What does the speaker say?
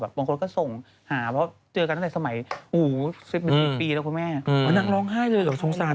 บางคนก็ส่งหาเพราะเจอกันนัฏยสมัยความวาด